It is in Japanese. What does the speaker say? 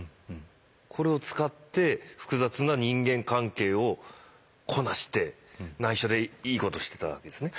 これを使って複雑な人間関係をこなしてないしょでいいことしてたわけですね。